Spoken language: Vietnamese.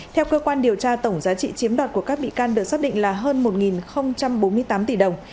theo cơ quan điều tra tổng giá trị chiếm đoạt của các bị can được xác định là hơn một bốn mươi tám tỷ đồng